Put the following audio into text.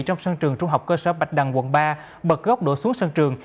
trong sân trường trung học cơ sở bạch đằng quận ba bật gốc đổ xuống sân trường